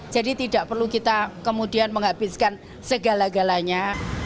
jadi tidak perlu kita kemudian menghabiskan segala galanya